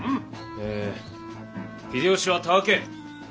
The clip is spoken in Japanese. え秀吉はたわけ。